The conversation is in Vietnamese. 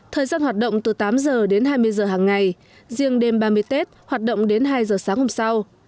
thời gian hoạt động từ tám giờ đến hai mươi giờ hàng ngày riêng đêm ba mươi tết hoạt động đến hai giờ sáng hôm sau